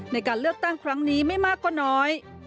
ในการเลือกตั้งครั้งนี้ไม่มากก็น้อย